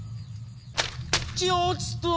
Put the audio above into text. ちょつと！